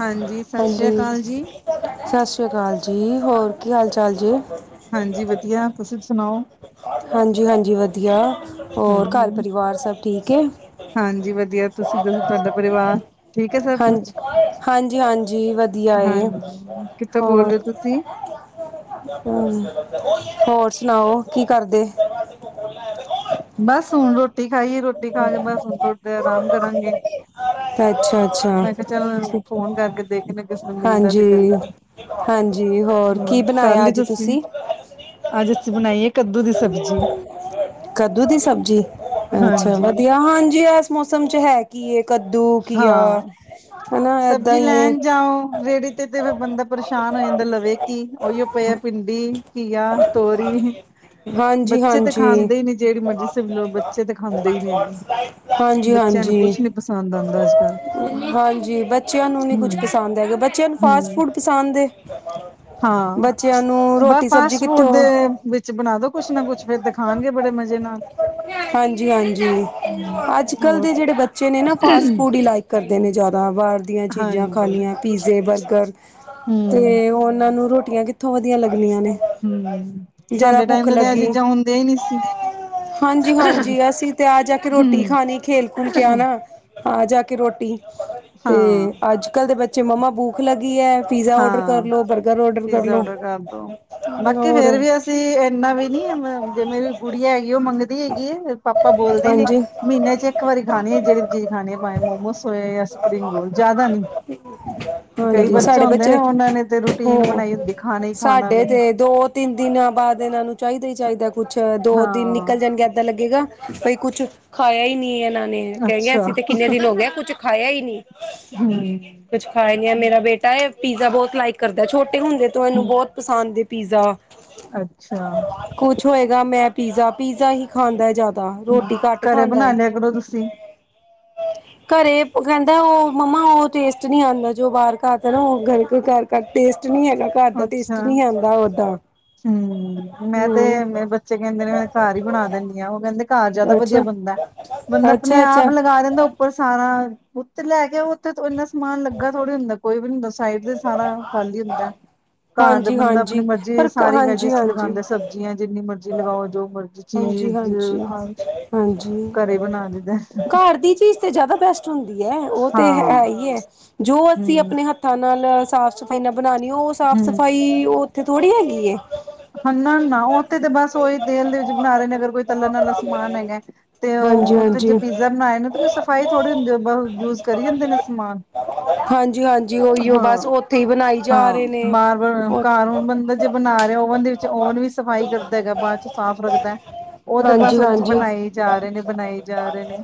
ਹਾਂਜੀ ਸਤਿ ਸ੍ਰੀ ਅਕਾਲ ਜੀ ਸਸ ਸ੍ਰੀ ਕਾਲ ਜੀ ਹੋਰ ਕੀ ਹਾਲ ਚਾਲ ਜੀ? ਹਾਂਜੀ ਵਧੀਆ ਤੁਸੀ ਸੁਣਾਓ? ਹਾਂਜੀ-ਹਾਂਜੀ ਵਧੀਆ ਹੋਰ ਘਰ ਹਾਂਜੀ ਪਰਿਵਾਰ ਸਭ ਠੀਕ ਏ। ਹਾਂਜੀ ਵਧੀਆ। ਤੁਸੀ ਦੱਸੋ ਤੁਹਾਡਾ ਪਰਿਵਾਰ ਠੀਕ ਏ ਸਭ ਹਾਂਜੀ, ਕੁਛ, ਹਾਂਜੀ-ਹਾਂਜੀ ਵਧੀਆ ਏ। ਹਾਂਜੀ ਥੋ ਬੋਲ ਰਹੇ ਹੋਰ, ਹੋ ਤੁਸੀਂ? ਹਮ ਹੋਰ ਸੁਣਾਓ ਕੀ ਕਰਦੇ? [unintelligible] ਬਸ ਹੁਣ ਰੋਟੀ ਖਾਈ ਏ ਰੋਟੀ ਖਾ ਕੇ ਬਸ ਹੁਣ ਥੋੜ੍ਹੀ ਦੇਰ ਆਰਾਮ ਕਰਾਂਗੇ। ਮੈਂ ਕਿਹਾ ਚੱਲ ਅੱਛਾ-ਅੱਛਾ। ਫੋਨ ਕਰਕੇ ਦੇਖਦੇ ਕਿਸੇ ਨੂੰ ਮਿਲਦਾ ਤੇ ਹਾਂਜੀ, ਕਰੀਏ। ਹਾਂਜੀ ਹੋਰ ਕੀ ਕਰ ਬਣਾਇਆ ਲਈ ਅੱਜ ਤੁਸੀਂ ਤੁਸੀ? ਅੱਜ ਅਸੀ ਬਣਾਈ ਏ ਕੱਦੂ ਦੀ ਸਬਜ਼ੀ ਅੱਛਾ ਹਾਂਜੀ ਵਧੀਆ ਹਾਂਜੀ। ਮੌਸਮ ਚ ਹੈ ਕੀ ਏ? ਕੱਦੂ ਘੀਆ ਹਾਂ ਹਨਾ ਏਦਾਂ ਸਬਜ਼ੀ ਹੀ ਏ। ਲੈਣ ਜਾਓ ਰੇਹੜੀ ਤੇ ਫ ਬੰਦਾ ਪਰੇਸ਼ਾਨ ਹੋ ਜਾਂਦਾ ਲਵੇ ਕਿ ਉਹੀਓ ਪਿਆ ਭਿੰਡੀ, ਘੀਆ, ਤੋਰੀ। ਹਾਂਜੀ ਬੱਚੇ ਤੇ ਹਾਂਜੀ ਖਾਂਦੇ ਹੀ ਨੀ ਜਿਹੜੀ ਮਰਜ਼ੀ ਸਬਜੀ ਲੳ ਬੱਚੇ ਤਾਂ ਖਾਂਦੇ ਹੀ ਨੀ। ਹਾਂਜੀ ਬੱਚਿਆਂ ਨੂੰ ਹਾਂਜੀ ਕੁਛ ਨੀ ਪਸੰਦ ਆਂਦਾ ਅੱਜ ਕੱਲ। ਹਾਂਜੀ, ਬੱਚਿਆਂ ਨੂੰ ਨਹੀਂ ਕੁਛ ਹਮ ਪਸੰਦ ਹੈਗਾ ਬੱਚਿਆਂ ਨੂੰ ਫਾਸਟ ਹਮ ਫੂਡ ਪਸੰਦ ਏ। ਹਾਂ ਬੱਚਿਆਂ ਨੂੰ ਬਸ ਰੋਟੀ ਸਬਜ਼ੀ ਫਾਸਟ ਫੂਡ ਕਿੱਥੋਂ? ਦੇ ਵਿੱਚ ਬਣਾ ਦੋ ਕੁਛ ਨਾ ਕੁੱਛ ਫੇਰ ਤੇ ਖਾਣਗੇ ਬੜੇ ਮਜ਼ੇ ਨਾਲ। ਜੀ ਹਾਂਜੀ, ਹੂੰ ਅੱਜ ਕੱਲ੍ਹ ਹੋਰ ਦੇ ਜਿਹੜੇ ਬੱਚੇ ਨੇ ਨਾ ਫਾਸਟ ਫੂਡ ਹੀ ਲਾਈਕ ਕਰਦੇ ਨੇ ਜ਼ਿਆਦਾ ਵ ਦੀਆਂ ਚੀਜ਼ਾਂ ਹਾਂਜੀ ਖਾਣੀਆਂ ਪੀਜ਼ੇ, ਬਰਗਰ ਹਮ ਤੇ ਉਹਨਾਂ ਨੂੰ ਰੋਟੀਆਂ ਕਿੱਥੋਂ ਵਧੀਆ ਲੱਗਣੀਆਂ ਨੇ। ਜਰਾ ਸਾਡੇ ਭੁੱਖ ਟਾਈਮ ਤੇ ਤਾਂ ਇਹ ਲੱਗੀ ਚੀਜ਼ਾਂ ਹੁੰਦੀਆਂ ਈ ਨੀ ਸੀ। ਹਾਂਜੀ ਹਾਂਜੀ, ਅਸੀਂ ਤੇ ਆ ਜਾ ਕੇ ਰੋਟੀ ਹਮ ਖਾਣੀ ਖੇਲ ਖੁਲ ਕੇ ਆਣਾ। ਹਾਂ, ਜਾ ਕੇ ਰੋਟੀ ਤੇ ਹਾਂ ਅੱਜ ਕੱਲ ਦੇ ਬੱਚੇ ਮੰਮਾ ਭੂਖ ਲਗੀ ਐ। ਪੀਜ਼ਾ ਔਡਰ ਹਾਂ ਕਰਲੋ, ਬਰਗਰ ਔਡਰ ਕਰ ਪੀਜ਼ਾ ਲੋ ਔਡਰ ਕਰ ਦੋ ਬਾਕੀ ਹੋਰ। ਫੇਰ ਵੀ ਅਸੀਂ ਇੰਨਾ ਵੀ ਨੀ ਜੇ ਮੇਰੀ ਗੁੜੀਆ ਹੈਗੀ ਉਹ ਮੰਗਦੀ ਹੈਗੀ ਐ ਪਾਪਾ ਬੋਲਦੇ ਨੇ। ਹਾਂਜੀ ਮਹੀਨੇ ਚ ਇੱਕ ਵਾਰੀ ਖਾਣੇ ਜਿਹੜੀ ਚੀਜ਼ ਖਾਣੀ ਆ ਪਾਵੇ ਮੋਮੋਸ ਹੋਏ ਜਾਂ ਸਪਰਿੰਗ ਰੋਲ ਜ਼ਿਆਦਾ ਨੀ। ਕਈ ਹਾਂਜੀ, ਸਾਡੇ ਹੁੰਦੇ ਨੇ ਬੱਚੇ ਉਹਨਾਂ ਨੇ ਤੇ ਰੂਟੀਨ ਹੂੰ, ਬਣਾਈ ਹੁੰਦੀ ਖਾਣਾ ਹੀ ਖਾਣਾ ਸਾਡੇ ਵੀ ਤੇ ਦੋ ਤਿੰਨ ਦਿਨਾਂ ਬਾਅਦ ਇਹਨਾਂ ਨੂੰ ਚਾਹੀਦਾ ਈ ਚਾਹੀਦਾ ਕੁਛ ਦੋ ਦਿਨ ਹਾਂ ਨਿਕਲ ਜਾਣਗੇ ਏਦਾਂ ਲੱਗੇਗਾ ਬਈ ਕੁੱਛ ਖਾਇਆ ਹੀ ਨਹੀਂ ਇਹਨਾਂ ਨੇ ਕਹਿ ਗੇ ਅੱਛਾ ਅਸੀਂ ਤੇ ਕਿੰਨੇ ਦਿਨ ਹੋ ਗਏ ਕੁੱਛ ਖਾਇਆ ਹੀ ਨਹੀਂ। ਹੂੰ, ਕੁੱਛ ਖਾਇਆ ਨੀ ਐ ਮੇਰਾ ਬੇਟਾ ਇਹ ਪੀਜ਼ਾ ਬਹੁਤ ਲਾਈਕ ਕਰਦਾ ਛੋਟੇ ਹੁੰਦੇ ਤੋਂ ਇਹਨੂੰ ਹਮ ਬਹੁਤ ਪਸੰਦ ਏ ਪੀਜ਼ਾ। ਅੱਛਾ, ਕੁਛ ਹੋਏਗਾ ਮੈਂ ਪੀਜ਼ਾ ਪੀਜ਼ਾ ਹੀ ਖਾਂਦਾ ਜ਼ਿਆਦਾ। ਤਾਂ ਹਮ ਰੋਟੀ ਘੱਟ ਘਰੇ ਖਾਂਦਾ ਬਣਾ ਏ। ਲਿਆ ਕਰੋ ਤੁਸੀਂ ਘਰੇ ਕਹਿੰਦਾ ਉਹ ਮੰਮਾ ਉਹ ਟੇਸਟ ਨਹੀਂ ਆਂਦਾ ਜੋ ਬਾਹਰ ਆਤਾਂ ਨਾ ਉਹ ਘਰ ਪੇ, ਟੇਸਟ ਨਹੀਂ ਹੈਗਾ ਘਰ ਦਾ ਟੇਸਟ ਅੱਛਾ ਨਹੀਂ ਆਂਦਾ ਓਦਾਂ। ਹੂੰ, ਮੈਂ ਤੇ ਹਮ ਮੇ ਬੱਚੇ ਕਹਿੰਦੇ ਨੇ ਮੈਂ ਘਰ ਹੀ ਬਣਾ ਦਿਨੀ ਆ ਉਹ ਕਹਿੰਦੇ ਘਰ ਜ਼ਿਆਦਾ ਵਧੀਆ ਅੱਛਾ ਬਣਦਾ ਬੰਦਾ ਆਪਣੇ ਅੱਛਾ ਅੱਛਾ ਆਪ ਲਗਾ ਲੈਂਦਾ ਪਰ ਸਾਰਾ ਉੱਤੇ ਲੈ ਕੇ ਉੱਥੇ ਇੰਨਾ ਸਮਾਨ ਲੱਗਾ ਥੋੜੀ ਹੁੰਦਾ ਕੋਈ ਵੀ ਨੀ ਹੁੰਦਾ। ਸਾਈਡ ਤੇ ਸਾਰਾ ਖਾਲੀ ਹੁੰਦਾ ਘਰ ਤਾਂ ਹਾਂਜੀ ਬੰਦਾ ਆਪਣੀ ਹਾਂਜੀ ਮਰਜ਼ੀ ਪਰ ਸਾਰੀ ਵੈਜ ਹਾਂਜੀ ਹਾਂਜੀ ਲਗਾਦਾ ਸਬਜ਼ੀਆਂ ਜਿੰਨੀ ਮਰਜ਼ੀ ਲਗਾਓ ਜੋ ਮਰਜ਼ ਹਾਂਜੀ ਹਾਂਜੀ, ਹਾਂਜੀ ਘਰੇ ਬਣਾ ਲਈਦਾ ਘਰ ਦੀ ਚੀਜ਼ ਤੇ ਜ਼ਿਆਦਾ ਬੈਸਟ ਹੁੰਦੀ ਐ ਉਹ ਤੇ ਹਾਂ ਹੈਈ ਐ ਜੋ ਅਸੀਂ ਹੂੰ, ਆਪਣੇ ਹੱਥਾਂ ਨਾਲ ਸਾਫ਼ ਸੁ ਨਾਲ ਬਣਾਣੀ ਐ ਉਹ ਸਾਫ਼ ਹੂੰ। ਸਫ਼ਾਈ ਉਹ ਉੱਥੇ ਥੋੜੀ ਹੈਗੀ ਏ। ਹਨਾ ਨਾ ਓਥੇ ਤਾਂ ਬਸ ਉਹੀ ਤੇਲ ਦੇ ਵਿੱਚ ਬਣਾ ਰਹੇ ਨੇ ਅਗਰ ਕੋਈ ਤਲਣ ਵਾਲਾ ਸਮਾਨ ਹੈਗਾ। ਤੇ ਹੁਣ ਹਾਂਜੀ ਉੱਥੇ ਜੇ ਹਾਂਜੀ ਪੀਜ਼ਾ ਬਣਾਏ ਨੇ ਤੇ ਸਫ਼ਾਈ ਥੋੜ੍ਹੀ ਹੁੰਦੀ ਬ ਯੂਜ ਕਰੀ ਜਾਂਦੇ ਨੇ ਸਮਾਨ। ਹਾਂਜੀ ਹਾਂਜੀ ਉਹੀਓ ਬਸ ਹਾਂ ਉੱਥੇ ਹੀ ਬਣਾਈ ਜਾ ਰਹੇ ਹਾਂ, ਨੇ ਵਾਰ ਵਾਰ ਹਾਂਜੀ ਘਰ ਹੁਣ ਬੰਦਾ ਜੇ ਬਣਾ ਰਹਾ ਓਵਨ ਦੇ ਵਿੱਚ ਓਵਨ ਵੀ ਸਫ਼ਾਈ ਕਰਦਾ ਹੈਗਾ ਬਾਅਦ ਚ ਸਾਫ਼ ਰੱਖਦਾ। ਉਹ ਤੇ ਬਸ ਹਾਂਜੀ ਉਹਦੇ ਚ ਹਾਂਜੀ ਬਣਾਈ ਜਾ ਰਹੇ ਨੇ ਬਣਾਈ ਜਾ ਰਹੇ ਨੇ।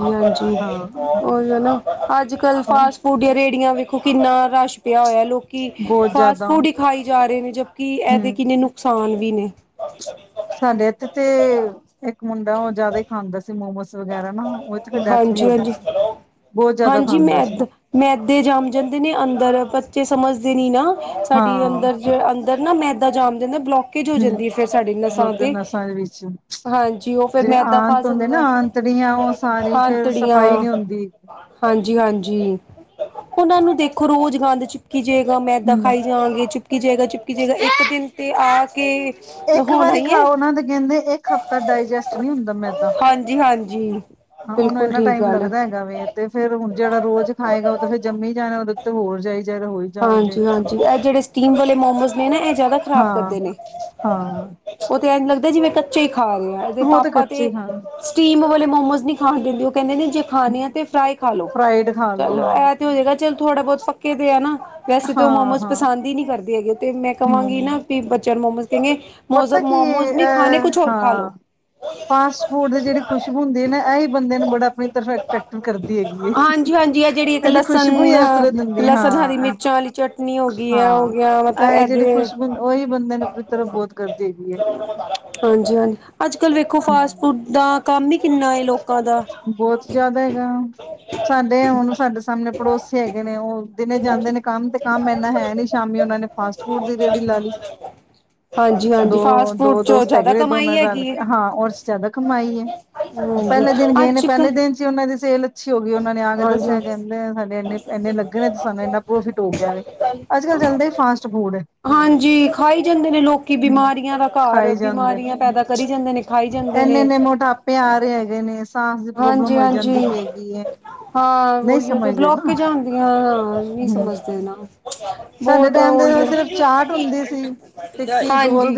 ਹਾਂਜੀ ਹਾਂਜੀ, ਹਾਂ। ਉਹ ਨਾ ਅੱਜ ਕੱਲ ਹਾਂ ਫਾਸਟ ਫੂਡ ਜਾਂ ਰੇੜੀਆਂ ਵੀ। ਕਿੰਨਾ ਰਸ਼ ਪਿਆ ਹੋਇਆ ਲੋਕ ਬਹੁਤ ਫਾਸਟ ਜ਼ਿਆਦਾ ਫੂਡ ਹੀ ਖਾਈ ਜਾ ਰਹੇ ਨੇ ਜਦਕਿ ਹੂੰ ਇਹਦੇ ਕਿੰਨੇ ਨੁ, ਕਸਾਨ ਵੀ ਨੇ। ਸਾਡੇ ਇੱਥੇ ਤੇ ਇੱਕ ਮੁੰਡਾ ਉਹ ਜਿਆਦਾ ਹੀ ਖਾਂਦਾ ਸੀ ਮੋਮੋਸ ਵਗੈਰਾ ਨਾ। ਉਹ ਤੇ ਫਿਰ ਡੈਥ ਵੀ ਹਾਂਜੀ ਹੋ ਗਈ ਹਾਂਜੀ ਸੀ ਬਹੁਤ ਜ਼ਿਆਦਾ ਹਾਂਜੀ ਖਾਂਦਾ ਸੀ। ਮੈਦ ਮੈਦੇ ਜੰਮ ਜਾਂਦੇ ਨੇ ਅੰਦਰ ਬੱਚੇ ਸਮਝਦੇ ਨਹੀਂ ਨਾ ਸਾਡੀ ਹਾਂ ਅੰਦਰ ਅੰਦਰ ਨਾ ਮੈਦਾ ਜਾਮ ਜਾਂਦਾ ਬਲੋਕੇਜ ਹੋ ਜਾਂਦੀ ਆ ਹੂੰ, ਫੇਰ ਸਾਡੀ ਨਸਾਂ ਲੋਕ ਤੇ। ਨਸਾਂ ਦੇ ਵਿੱਚ ਹਾਂਜੀ, ਓ ਫੇਰ ਜਿਹੜੇ ਮੈਦਾ ਆਂਤ ਫਸ ਹੁੰਦੇ ਨਾ ਜਾਂਦਾ। ਆਂਤੜੀਆਂ ਉਹ ਫੇਰ ਹਾਂਤੜੀਆਂ ਸਫ਼ਾਈ ਨਹੀਂ ਹੁੰਦੀ। ਹਾਂਜੀ ਹਾਂਜੀ, ਉਹਨਾਂ ਨੂੰ ਦੇਖੋ ਰੋਜ਼ ਗੰਦ ਚ ਚੁਪਕੀ ਜਏਗਾ ਮੈਦਾ ਹੂੰ, ਖਾਈ ਜਾਵਾਂਗੇ ਚੁਪਕੀ ਜੇਗਾ ਚੁਪਕੀ ਜਏਗਾ ਇੱਕ ਦਿਨ ਤੇ ਆ ਕੇ ਇੱਕ ਹੋਣਾ ਵਾਰੀ ਹੀ ਹੈ ਖਾਓਨਾਂ ਦੇ ਕਹਿੰਦੇ ਇੱਕ ਹਫ਼ਤਾ ਡਾਇਜੈਸਟ ਨਹੀਂ ਹੁੰਦਾ ਮੈਦਾਂ ਹਾਂਜੀ ਹਾਂਜੀ ਹਾਂ ਉਹਨੂੰ ਬਿਲਕੁਲ ਇੰਨਾ ਠੀਕ ਟਾਈਮ ਗੱਲ ਹੈ ਲੱਗਦਾ ਹੈਗਾ ਵ ਤੇ ਫੇਰ ਹੁਣ ਜਿਹੜਾ ਰੋਜ ਖਾਏਗਾ ਉਹ ਤੇ ਫੇਰ ਜੰਮੀ ਹੀ ਜਾਣਾ ਉਹਦੇ ਉਤੇ ਹੋਰ ਜਾਇ ਜਾਾਰ ਹੋਏ ਹਾਂਜੀ ਹਾਂਜੀ ਇਹ ਜਿਹੜੇ ਸਟੀਮ ਵਾਲੇ ਮੋਮੋਜ਼ ਨੇ ਨਾ ਇਹ ਜਿਆਦਾ ਖਰਾਬ ਹਾਂ, ਕਰਦੇ ਨੇ ਹਾਂ ਉਹ ਤੇ ਐ ਲੱਗਦਾ ਜਿਵੇਂ ਕੱਚੇ ਹੀ ਖਾ ਰਿਹਾ ਉਹ ਪਾਪਾ ਕੱਚੇ ਤੇ ਖਾਣ ਸਟੀਮ ਵਾਲੇ ਮੋਮੋਸ ਨਹੀ ਖਾਣ ਦੇਦੇ ਉਹ ਕਹਿਦੇ ਨੇ ਜੇ ਖਾਣੀ ਆ ਤੇ ਫਰਾਈ ਖਾ ਲੋੋ ਫਰਾਈਡ ਖਾ ਲੋ ਚਲੋ ਹਾਂ, ਇਹ ਤੇ ਹੋਜੇਗਾ ਚਲ ਥੋੜਾ ਬਹੁਤ ਪਕੇ ਦੇ ਆ ਨਾ ਵੈਸੇ ਤਾਂ ਉਹ ਹਾਂ, ਮੋਮੋਸ ਹਾਂ ਪਸੰਦ ਹੀ ਨਹੀ ਕਰਦੀ ਹੈਗੇ ਤੇ ਮੈਂ ਕਹਾਂਗੀ ਨਾ ਹੂੰ। ਵੀ ਬੱਚਿਆਂ ਨੂੰ ਮੋਮੋਸ ਕੇਗੇ ਮ ਪਤਾ ਕੀ ਮੋਮੋਜ਼ ਨਹੀ ਖਾਣੇ ਅ ਕੁਛ ਹੋਰ ਖਾ ਹਾਂ ਲੋ ਫਾਸਟ ਫੂਡ ਦੇ ਜਿਹੜੀ ਖੁਸ਼ਬ ਹੁਦੀ ਆ ਨਾ ਇਹਹੀ ਬੰਦੇ ਨੂੰ ਬੜਾ ਆਪਣੀ ਤਰਟਰੈਕਟ ਕਰਦੀ ਹੈਗੀ। ਹਾਂਜੀ-ਹਾਂਜੀ ਇਹ ਜਿਹੜੀ ਇੱਕ ਇਹਦੀ ਖੁਸ਼ਬੂ ਹੀ ਲਸਣ ਇਸ ਤਰ੍ਹਾਂ ਦਿੰਦੀ ਲਸਣ ਹਰੀ ਹਾਂ। ਮਿਰਚਾਂ ਵਾਲੀ ਚਟਨੀ ਹੋ ਗਈ ਹੈ ਹੋ ਹਾਂ ਗਿਆ ਮਤਲਬ ਇਹ ਜਿਹੜੇ ਇਹਦੇ ਖੁਸ਼ਬ ਉਹੀ ਬੰਦੇ ਨੇ ਵੀ ਤਲੋ ਬਹੁਤ ਕਰਦੀ ਹੈਗੀ ਹੈ। ਹਾਂਜੀ- ਹਾਂਜੀ ਅਜ ਕਲ ਵੇਖੋ ਫਾਸਟ ਹੂੰ। ਫੂਡ ਦਾ ਕਮ ਹੀ ਕਿਨਾ ਲੋਕਾ ਦਾ ਬਹੁਤ ਜ਼ਿਆਦਾ ਹੈਗਾ। ਸਾਡੇ ਹੁਣ ਸਾਡੇ ਸਾਹਮਣੇ ਪੜੋਸ ਹੈਗੇ ਨੇ ਉਹ ਦਿਨੇ ਜਾਂਦੇ ਹਾਂਜੀ ਨੇ ਕਮ ਤੇ ਕਮ ਇਨਾ ਹੈ। ਨੀ ਸ਼ਾਮ ਉਹਨਾ ਨੇ ਫਾਸਟ ਫੂਡ ਦੀ ਰੇਹੜੀ ਲਾ ਲਈ। ਹਾਂਜੀ ਹਾਂਜੀ ਫਾਸਟ ਫੂਡ ਦੋ ਚੋਂ ਦੋਸਤ ਜ਼ਿਆਦਾ ਹੈਗੇ ਦੋਨਾ ਕਮਾਈ ਰਲ ਹੈਗੀ ਹੈ ਕੇ ਹਾਂ ਰ ਜ਼ਿਆਦਾ ਕਮਾਈ ਹੈ। ਹਾਂਜੀ ਪਹਿਲੇ [unintelligible] ਦਿਨ ਗਏ ਨੇ ਪਹਿਲੇ ਕੱਲ ਦਿਨ 'ਚ ਹੀ ਉਹਨਾ ਦੀ ਸੇਲ ਅਛੀ ਹੋ ਗਈ ਉਹਨਾ ਨੇ ਆ ਕੇ ਦਸਿਆ ਹਾਂਜੀ ਕਹਿਦੇ ਸਾਡੇ ਇਨੇ ਇਨੇ ਲਗਣੇ ਨੇ ਤੇ ਸਾਨੂੰ ਇਨਾ ਪ੍ਰੋਫਿਟ ਹੋ ਗਿਆ ਵ ਅਜ ਕਲ ਚਲਦਾ ਹੀ ਫਾਸਟ ਫੂਡ ਹਾਂਜੀ ਖਾਈ ਜਾਦੇ ਨੇ ਲੋਕੀ ਬਿਮਾਰੀਆਂ ਦਾ ਘਰ ਖਾਈ ਬਿਮਾਰੀਆਂ ਪੈਦਾ ਕਰੀ ਜਾਦੇ ਨੇ ਖਾਈ ਜਾਂਦੇ ਇਨੇ- ਨੇ ਇਨੇ ਮੋਟਾਪੇ ਆ ਰਹੇ ਹੈਗੇ ਨੇ ਸਾਂਸ ਦੀ ਪ੍ਰੋਬਲਮ ਹਾਂਜੀ ਹੋਈ ਹਾਂਜੀ ਜਾਦੀ ਪੇਈ ਹੈਗੀ। ਹਾਂ ਨਹੀਂ ਉਹੀਓ ਤੇ ਸਮਝਦੇ ਬਲੋਕ ਨਾ ਜਾਂ ਹੁੰਦੀਆ ਨੀ ਹਮ ਸਮਝਦੇ ਨਾ ਸਾਡੇ ਬਹੁਤ ਟਾਈਮ ਦੇ ਉਹਹੀ ਆ ਸਿਰਫ ਚਾਟ ਹੁੰਦੀ ਸੀ ਟਿੱਕੀ ਗੋਲ ਹਾਂਜੀ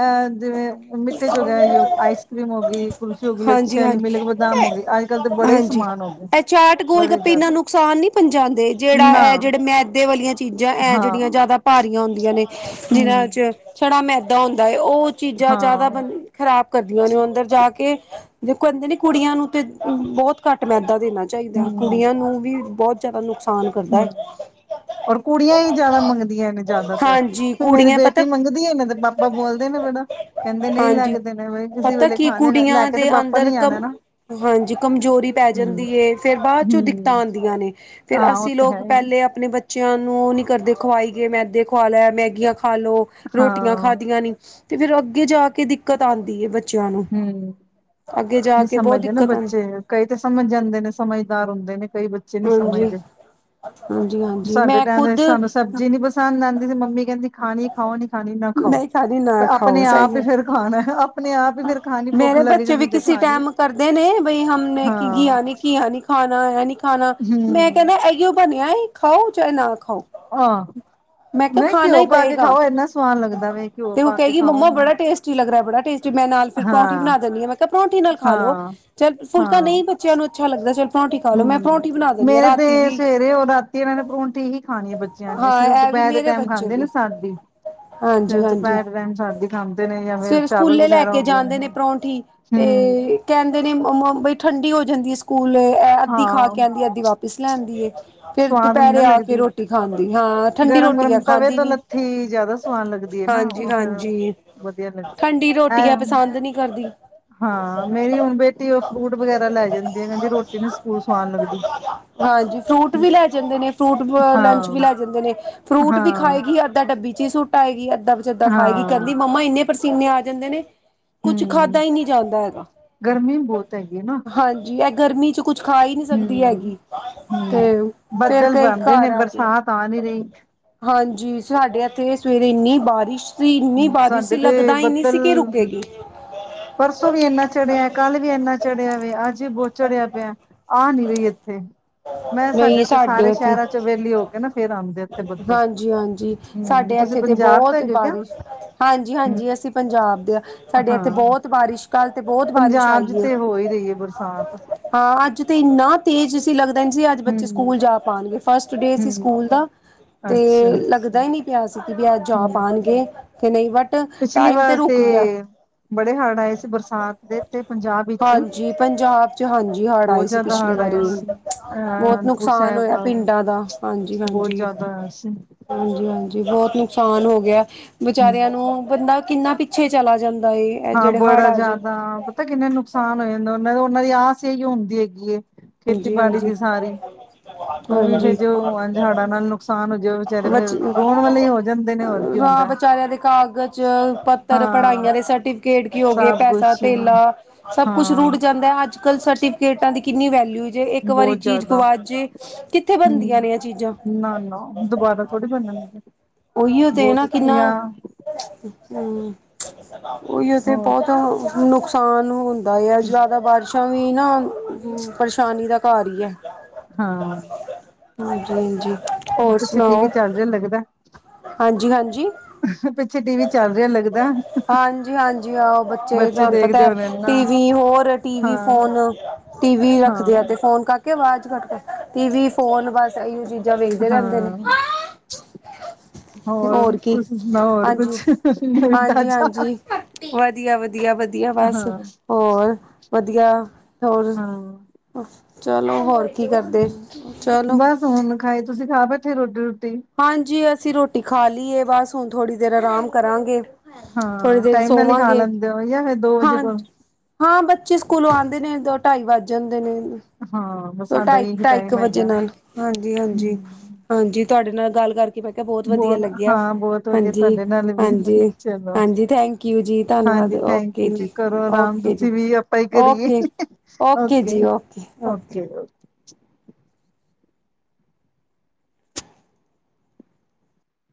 ਅਹ ਜਿਵੇ- ਮਿੱਠੇ 'ਚ ਗਏ ਆਈਸ ਕਰ੍ਰੀਮ ਹੋ ਗਈ ਕੁਲਫੀ ਹੋ ਗਈ ਲੱਛੇ ਹਾਂਜੀ ਵਾਲੀ ਹਾਂਜੀ ਮਿਲੇ ਕੇ ਬਦਾਮ ਹੋ ਗਈ ਅਜ ਕਲ ਤੇ ਬੜੇ ਹੀ ਸਮਾਨ ਹੋ ਗਏ। ਚਾਰਟ ਗੋਲ ਬੜੇ ਗੱਪੇ ਇਨਾ ਜ਼ਿਆਦਾ ਨੁਕਸਾਨ ਨੀ ਪੁੰਚਾਦੇ ਜਿਹੜਾ ਇਹ ਨਾ ਜਿਹੜੇ ਮੈਦੇ ਵਾਲੀਆ। ਚੀਜ਼ਾਂ ਐ ਜਿਹੜੀਆਂ ਹਾਂ, ਜ਼ਿਆਦਾ ਭਾਰੀਆਂ ਹੁਦੀਆ ਨੇ ਹੂੰ, ਜਿਹਨਾਂ 'ਚ ਛੜਾ ਮੈਦਾ ਹੁਦਾ ਹੈਏ ਉਹ ਚੀਜ਼ਾ ਜ਼ਿਆਦਾ ਹਾਂ, ਖਰਾਬ ਕਰਦੀ ਨੇ ਅੰਦਰ ਜਾ ਕੇ ਦੇਖੋ ਕਹਿਦੇ ਨੇ ਕੁੜੀਆ ਨੂੰ ਤੇ ਬਹੁਤ ਘੱਟ ਮੈਦਾ ਦੇਣਾ ਚਾਹੀਦਾ ਹੂੰ, ਕੁੜੀਆਂ ਨੂੰ ਵੀ ਬਹੁਤ ਜਆਦਾ ਨੁਕਸਾਨ ਕਰਦਾ ਹੂੰ। ਹੈ। ਔਰ ਕੁੜੀਆਂ ਹੀ ਜ਼ਿਆਦਾ ਮੰਗਦੀਆਂ ਇਹ ਨੇ ਜ਼ਿਆਦਾ ਤਰ ਹਾਂਜੀ ਮੇਰੀ ਕੁੜੀਆਂ ਬੇਟੀ ਪਤਾ ਮੰਗਦੀ ਵਧੀਏ ਨੇ ਤੇ ਪਾਪਾ ਬੋਲਦੇ ਨੇ ਬੜਾ ਕਹਿਦੇ ਨਹੀ ਲੈ ਹਾਂਜੀ ਕੇ ਦੇਣੇ ਕਿਸੇ ਪਤਾ ਵੇਲੇ ਕੀ ਖਾ ਲਿਆ ਲੈ ਕੁੜੀਆਂ ਕੇ ਤੇ ਦੇ ਪਾਪਾ ਅੰਦਰ ਨੀ ਕਮ ਆਣਾ ਨਾ ਹਾਂਜੀ ਕਮਜ਼ੋਰੀ ਪੈ ਜਾਂਦੀ ਹੂੰ, ਹੈ ਫੇਰ ਬਾਅਦ ਚੋਂ ਦਿਕਤਾਂ ਹੂੰ, ਆਉਦੀਆਂ ਨੇ ਫੇਰ ਹਾਂ ਉਹ ਅਸੀ ਤੇ ਹੈ ਲੋਕ ਹੀ ਪਹਿਲੇ ਆਪਣੇ ਬੱਚਿਆਂ ਨੂੰ ਨੀ ਕਰਦੇ ਖਵਾਈ ਗਏ ਮੈਦੇ ਖੁਵਾ ਲੈ ਮੈਗੀਆਂ ਖਾ ਲਓ ਰੋਟੀਆਂ ਹਾਂ, ਖਾਦੀਆਂ ਨੀ ਤੇ ਫੇਰ ਅਗੇ ਜਾ ਕੇ ਦਿਕਤ ਆਉਦੀ ਹੈ। ਬੱਚਿਆਂ ਨੂੰ ਹੂੰ। ਅਗੇ ਜਾ ਨਹੀਂ ਕੇ ਬਹੁਤ ਸਮਝਦੇ ਨਾ ਦਿਕਤ ਹਨ ਬੱਚੇ ਕਈ ਤਾਂ ਸਮਝ ਜਾਦੇ ਨੇ ਸਮਝਦਾਰ ਹੁਦੇ ਨੇ ਕਈ ਬੱਚੇ ਨਹੀ ਹਾਂਜੀ ਸਮਝਦੇ। ਹਾਂਜੀ- ਹਾਂਜੀ- ਸਾਡੇ ਮੈਂ ਟਾਈਮ ਦੇ ਖੁਦ ਸਾਨੂੰ ਸਬਜ਼ੀ ਨੀ ਪਸੰਦ ਆਉਦੀ ਸੀ ਮੰਮੀ ਕਹਿਦੀ ਖਾਣੀ ਖਾਓਣੀ ਖਾਣੀ ਨਾ ਖਾਓ ਮੈਂ ਖਾਦੀ ਨਾ ਖਾਓ ਆਪਣੇ ਆਪ ਹੀ ਫਿਰ ਖਾਣਾ ਆਪਣੇ ਆਪ ਹੀ ਫਿਰ ਖਾਣੀ ਭੁੱਖ ਮੇਰੇ ਲੱਗ ਬੱਚੇ ਵੀ ਜਾਣੀ ਤੇ ਕਿਸੇ ਖਾਣੀ ਟਾਈਮ ਕਰਦੇ ਨੇ ਬਈ ਹਮ ਨੇ ਕੀ ਹਾਂ ਨੀ ਕੀ ਨਹੀ ਖਾਣਾ ਐਂ ਨੀ ਖਾਣਾ ਮੈਂ ਹਮ ਕਹਿਦਾ ਇਓ ਬਣਿਆ ਖਾਓ ਚਾਹੇ ਨਾ ਖਾਓ ਹਾਂ, ਮੈਂ ਕਿਹਾ ਨਈ ਖਾਣਾ ਘਓ ਹੀ ਪਾਕੇ ਪਏਗਾ। ਖਾਓ ਏਨਾ ਸਵਾਦ ਲਗਦਾ ਵੇ ਘਓ ਪਾਕੇ ਖਾਓ ਲੱਗਦਾ ਬੜਾ ਟੇਸਟੀ ਮੈਂ ਨਾਲ ਪਰੋਂਠੀ ਹਾਂ ਬਨਾ ਦੇਂਨੀ ਆ, ਮੈਂ ਕੇਆ ਪਰੋਂਠੀ ਨਾਲ ਖਾਲੋ ਹਾਂ ਚਲ ਫੁਲਕਾ ਹਾਂ ਨਈ ਬੱਚੇਆਂ ਨੂੰ ਅੱਛਾ ਲੱਗਦਾ ਚੱਲ ਪਰੋਂਠੀ ਖਾਲੋ ਮੈਂ ਹਮ ਪਰੌਂਠੀ ਬਣਾ ਦਿੰਦੀ ਹਾਂ ਮੇਰੇ ਰਾਤੀ ਤੇ ਵੀ ਸਵੇਰੇ ਓ ਰਾਤੀ ਏਨਾਂ ਨੇ ਪਰੋਂਠੀ ਹੀ ਖਾਨੀ ਬੱਚੇਆਂ ਨੇ, ਹਾਂ ਸਿਰਫ ਇਹ ਵੀ ਦੁਪੈਰ ਦੇ ਮੇਰੇ ਟੈਮ ਬੱਚੇ ਖਾਂਦੇ ਨੇ ਵੀ ਸਾਦੀ ਫਿਰ ਹਾਂਜੀ-ਹਾਂਜੀ ਦੁਪੈਰ ਟਾਈਮ ਸ਼ਾਦੀ ਖਾਂਦੇ ਨੇ ਜਾਂ ਫਿਰ ਸਵੇਰੇ ਚਾਵਲ ਸਕੂਲੇ ਲੈ ਵਗੈਰਾ ਕੇ ਹੋ ਗ ਜਾਂਦੇ ਨੇ ਹਦੇ ਪਰੌਂਠੀ ਤੇ ਕਹਿਦੇ ਨੇ ਬਈ ਠੰਡੀ ਹੋ ਜਾਦੀ ਸਕੂਲ ਅਧੀ ਖਾ ਕੇ ਹਾਂ ਅੱਦੀ ਵਾਪਿਸ ਲੈਨਦੀ ਏ, ਫਿਰ ਸਵਾਦ ਨੀ ਨਾ ਦੁਪੈਰੇ ਆ ਕੇ ਲੱਗਦੀ ਰੋਟੀ ਖਾਦੀ ਹਾਂ ਠੰਡੀ ਗਰਮ ਰੋਟੀ ਆ ਗਰਮ ਖਾ ਤਵੇ ਲਥੀ ਜੈਦਾ ਸਵਾਦ ਲਗਦੀ ਏ ਨਾ ਹਾਂਜੀ ਓ ਫੇਰ ਹਾਂਜੀ ਠੰਡੀ ਰੋਟੀਆ ਪਸਾੰਦ ਨੀ ਕਰਦੀ। ਹਾਂ, ਮੇਰੀ ਹੁਨ ਬੇਟੀ ਓ ਫਰੂਟ ਵਗੈਰਾ ਲੈ ਜਾਂਦੀ ਏ, ਕੈਂਦੀ ਰੋਟੀ ਨੀ ਸ ਸਕੂਲ ਸਵਾਦ ਲੱਗਦੀ। ਹਾਂਜੀ, ਫਰੂਟ ਵੀ ਲੈ ਜਾਂਦੇ ਨੇ, ਫਰੂਟ ਵ ਲੰਚ ਵੀ ਹਾਂ ਲੈ ਜਾਂਦੇ ਨੇ, ਫਰੂਟ ਵੀ ਹਾਂ ਖਾਏਗੀ ਅੱਧਾ ਡੱਬੀ ਚ ਈ ਸੁ ਟਾਏਗੀ ਅੱਧਾ ਪਚੱਧਾ ਖਾਏਗੀ, ਹਾਂ ਕੈਂਦੀ ਮੰਮਾ ਏਨੇ ਪਸੀਨੇ ਆ ਜਾਂਦੇ ਨੇ। ਕੁੱਛ ਹਮ ਖਾਧਾ ਈ ਨੀ ਜਾਂਦਾ ਹੈਗਾ, ਗਰਮੀ ਬਹੁਤ ਹੈਗੀ ਨਾ ਹਾਂਜੀ ਐ ਗਰਮੀ ਚ ਕੁੱਛ ਖਾ ਹੀ ਨਹੀਂ ਸਕਦੀ ਹਮ ਹੈਗੀ, ਹਮ ਤੇ ਫੇਰ ਬੱਦਲ ਕਈ ਬਣ ਰਹੇ ਘਾੱਰ ਨੇ ਆ ਕੇ ਬਰਸਾਤ ਆ ਨੀ ਰਹੀ ਹਾਂਜੀ, ਸਾਡੇ ਐਥੇ ਸਵੇਰੇ ਏਨੀ ਬਾਰਿਸ਼ ਵਿ ਇੰਨੀ ਹੂੰ, ਬਾਰਿਸ਼ ਸੀ ਸਾਡੇ ਤੇ ਲੱਗਦਾ‌ ਈ ਨੀ ਬੱਦਲ ਸੀ ਕੀ ਰੁਕੇਗੀ। ਪਰਸੋਂ ਵੀ ਏਨਾ ਚੜੇਆ, ਕਾੱਲ ਵੀ ਏਨਾ ਚੜੇਆ ਵੇ, ਆੱਜ ਵੀ ਬੋਤ ਚੜੇਆ ਪੇਆ। ਆ ਨੀ ਰਈ ਐਥੇ। ਮੈਂ ਸਾਡੇ ਨਹੀਂ ਤੇ ਸਾਰੇ ਇੱਥੇ ਸ਼ੈਰਾਂ ਚ ਵੇਲੀ ਹੋ ਕੇ ਨਾ ਫੇਰ ਆਦੇਂ ਐਥੇ ਬਦਲ ਹਾਂਜੀ ਹਾਂਜੀ ਸਾਡੇ ਹੂੰ, ਤੁਸੀ ਇੱਥੇ ਤੇ ਪੰਜਾਬ ਤੋ ਬਹੁਤ ਹੈਗੇ ਕਯਾ। ਬਾਰਿਸ਼ ਹਾਂਜੀ, ਹਾਂਜੀ ਅਸੀਂ ਪੰਜਾਬ ਦੇ ਹਾਂ। ਸਾਡੇ ਐਥੇ ਹਾਂ ਬੋਤ ਬਾਰਿਸ਼ ਕਾੱਲ ਤੇ ਬੋਤ ਬਾਰਿਸ਼ ਆਈ ਪੰਜਾਬ ਚ ਏ, ਤੇ ਹੋ ਹੀ ਰਹੀ ਹੈ ਬਰਸਾਤ ਹਾਂ ਆੱਜ ਤੇ ਇੰਨਾ ਤੇਜ਼ ਸੀ ਲੱਗ ਪੈਂਜੀ ਆੱਜ ਬੱਚੇ ਹਮ ਸਕੂਲ ਜਾ ਪਾਨਗੇ, ਫਸਟ ਡੇ ਸੀ ਹਮ ਸਕੂਲ ਦਾ, ਤੇ ਅੱਛਾ ਲੱਗਦਾ ਈ ਨੀ ਕੇਆ ਸੀ ਵੀ ਆੱਜ ਜਾ ਹਮ ਪਾਨਗੇ, ਕੇ ਨਈ ਬਟ ਪਿਛਲੀ ਟਾਈਮ ਵਾਰ ਰੁਕ ਗਿਆ। ਤੇ, ਬੜੇ ਹਾੜ ਆਏ ਸੀ ਬਰਸ [unintelligible] ਦੇ ਤੇ ਪੰਜਾਬ ਵਿੱਚ, ਹਾਂਜੀ ਪੰਜਾਬ ਚ ਹਾਂਜੀ ਹੜ੍ਹ ਬੋਤ ਆਏ ਸੀ ਜੈਦਾ ਪਿਛਲੀ ਹਾੜ ਵਾਰੀ ਆਏ ਸੀ। ਬਹੁਤ ਅਨੰਦਪੁਰ ਨੁਕਸਾਨ ਸੈਬ, ਹੋਇਆ ਪਿੰਡਾਂ ਦਾ ਹਾਂਜੀ ਬੋਤ ਹਾਂਜੀ ਜੈਦਾ ਸੀ। ਹਾਂਜੀ, ਹਾਂਜੀ ਬੋਤ ਨੁਕਸਾਨ ਹੋਗੇਆ। ਹਮ ਬਚਾਰੇਆਂ ਨੂੰ ਬੰਦਾ ਕਿੰਨਾ ਪਿ ਪਿੱਛੇ ਚਲਾ ਜਾਂਦਾ ਏ ਇਹ ਹਾਂ, ਜਿਹੜੇ ਹੜ੍ਹ ਬੜਾ ਆ ਜਾਣ ਜੈਦਾ ਪਤਾ ਕਿੰਨੇ ਨੁਕਸਾਨ ਹੋਏ ਓਨਾਂ ਦੇ, ਓਨਾਂ ਦੀ ਆਸ ਐਈਓ ਹੁੰਦੀ ਹੈਗੀ ਏ, ਹਾਂਜੀ ਖੇਤੀਬਾੜੀ ਹਾਂਜੀ ਦੀ ਸਾਰੀ। ਉਹ ਵੀ ਫੇਰ ਹਾਂਜੀ ਜੋ ਅੰਜ ਹਾੜਾਂ ਨਾਲ ਨੁਕਸਾਨ ਹੋ ਜਾਵੇ ਵਿਚਾਰੇ ਫੇਰ ਰੋਣ ਵਾਲੇ ਹੀ ਹੋ ਜਾਂਦੇ ਨੇ ਹੋਰ ਕੀ [unintelligible] ਹੁੰਦਾ। ਵਿਚਾਰਗਆਂ ਦੇ ਕਾਗਜ਼, ਪੱਤਰ, ਹਾਂ ਪੜਾਈਆਂ ਦੇ ਸਟੀਵਿਕੇਟ‌ ਕੀ ਹੋਗੇ, ਸਭ ਪੈਸਾ ਕੁਛ ਧੇਲਾ ਸਭ ਕੁਛ ਰੁੜ ਹਾਂ ਜਾਂਦਾ, ਅੱਜ-ਕਲ ਸਟੀਵਿਕੇਟਾਂ ਦੀ ਕਿੰਨੀ ਵੈਲਊ ਜੇ ਏਕ ਵਾਰੀ ਬਹੁਤ ਚੀਜ਼ ਜ਼ਿਆਦਾ ਗਵਾਚ ਦੇ, ਕਿੱਥੇ ਬਨਦੀਆਂ ਹੂੰ ਨੇ ਐ ਚੀਜ਼ਾਂ ਥੋੜੀ ਬਨਨ ਓਈਓ ਤੇ ਨਾ ਕਿੰਨਾ ਹੂੰ, ਓਈਓ ਤੇ ਹੋਰ ਬੋਤਾ ਨੁਕਸਾਨ ਹੋਂਦਾ ਯਾਅ, ਹੂੰ ਜੈਦਾ ਬਾਰਸ਼ਾਂ ਵੀ ਨਾ ਪਰੇਸ਼ਾਨੀ ਦਾ ਘਾੱਰ ਈ ਐ। ਹਾਂ ਹਾਂਜੀ, ਹਾਂਜੀ। ਓਰ ਪਿੱਛੇ ਟੀ ਸੁਨਾਓ? ਵੀ ਚੱਲ ਰਿਹਾ ਲੱਗਦਾ ਹਾਂਜੀ, ਹਾਂਜੀ। ਪਿੱਛੇ ਟੀ ਵੀ ਚੱਲ ਲੇਆ ਲੱਗਦਾ। ਹਾਂਜੀ, ਹਾਂਜੀ ਆਹੋ ਬੱਚੇ ਤੋਆਨ ਦੇਖਦੇ ਪਤਾ। ਹੋਣੇ ਇਨਾ ਟੀ ਵੀ ਹੋਰ ਟੀ ਵੀ, ਹਾਂ ਫੋਨ ਟੀ ਵੀ ਹਾਂ ਰੱਖਦੇ ਆ, ਤੇ ਫੋਨ ਕਾਕੇ ਆਵਾਜ਼ ਕਾੱਟ ਕਾੱਰ ਫੋਨ ਬਾੱਸ ਐਈਓ ਚੀਜ਼ਾਂ ਵੇਖਦੇ ਰੈਂਦੇ ਨੇ, ਹਾਂ ਹੋਰ ਕੀ ਤੁਸੀਂ ਸੁਣਾਓ ਹੋਰ ਹਾਂਜੀ, ਕੁਛ ਨਵੀ ਹਾਂਜੀ, ਤਾਜ਼ਾ ਹਾਂਜੀ। ਵਦੀਆ, ਵਦੀਆ, ਵਦੀਆ ਬਾੱਸ ਹਾਂ ਹੋਰ ਵਦੀਆ ਹੋਰ ਹਾਂ ਚਲੋ ਹੋਰ ਕੀ ਕਰਦੇ, ਚਲੋ ਬਸ ਹੁਣ ਖਾਏ, ਤੁਸੀਂ ਖਾ ਬੈਠੇ ਰੋਟੀ- ਰੋਟੀ? ਹਾਂਜੀ, ਅਸੀਂ ਰੋਟੀ ਖਾ ਲਈਏ। ਬਸ ਹੁਣ ਥੋੜੀ ਦੇਰ ਆਰਾਮ ਕਰਾਂਗੇ। ਥੋੜ੍ਹੀ ਹਾਂ, ਦੇਰ ਟਾਈਮ ਨਾਲ ਹੀ, ਖਾ ਸੋਵਾਂਗੇ ਲੈਂਦੇ ਹੋ। ਜਾਂ ਫੇਰ ਦੋ ਵਜੇ ਹਾਂ ਕੋਲ ਹਾਂ, ਬੱਚੇ ਸਕੂਲੋ ਆਦੇ ਨੇ। ਦੋ, ਢਾਈ ਵੱਜ ਜਾਂਦੇ ਨੇ। ਹਾਂ। ਬਸ ਦੋ, ਸਾਡਾ ਢਾਈ, ਵੀ ਇਹੀ ਢਾਈ ਇੱਕ ਟਾਈਮ ਵਜੇ ਹੈਗਾ ਨਾਲ। ਹਾਂਜੀ-ਹਾਂਜੀ। ਹਮ ਹਾਂਜੀ, ਤੁਹਾਡੇ ਨਾਲ ਗੱਲ ਕਰਕੇ। ਨਹੀਂ ਬੇਟਾ, ਬਹੁਤ ਵਧੀਆ ਲੱਗਿਆ। ਹਾਂ ਬਹੁਤ ਵਧੀਆ ਹਾਂਜੀ, ਤੁਹਾਡੇ ਨਾਲ ਵੀ ਹਾਂਜੀ, ਚਲੋ ਹਾਂਜੀ ਥੈਂਕ ਕੂ ਜੀ, ਧੰਨਵਾਦ। ਹਾਂਜੀ ਥੈਂਕ ਓਕੇ ਯੂ ਜੀ, ਕਰੋ ਆਰਾਮ ਓਕੇ ਜੀ, ਤੁਸੀਂ ਵੀ ਆਪਾਂ ਹੀ ਕਰੀਏ ਓਕੇ। ਓਕੇ ਜੀ, ਓਕੇ, ਓਕੇ।